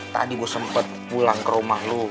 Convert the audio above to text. tadi gue sempat pulang ke rumah lo